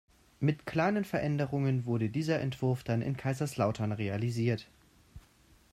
Mit kleinen Veränderungen wurde dieser Entwurf dann in Kaiserslautern realisiert.